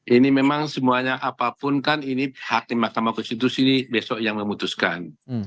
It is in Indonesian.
ini memang semuanya apapun kan ini hakim mahkamah konstitusi ini besok yang memutuskan